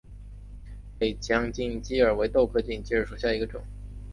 北疆锦鸡儿为豆科锦鸡儿属下的一个种。